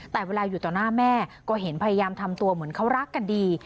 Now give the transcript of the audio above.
แต่เวลาอยู่ต่อหน้าแม่ก็เห็นพยายามทำตัวเหมือนเขารักกันดี